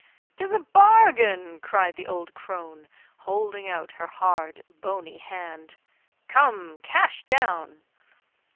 "'Tis a bargain," cried the old crone, holding out her hard, bony hand. "Come, cash down!"